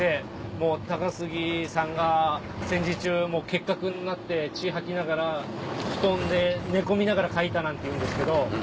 もう高杉さんが戦時中結核になって血吐きながら布団で寝込みながら書いたなんていうんですけど。